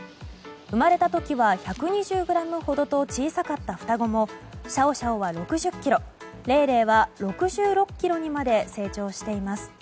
生まれた時は１２０ｇほどと小さかった双子もシャオシャオは６０ｋｇレイレイは６６ｋｇにまで成長しています。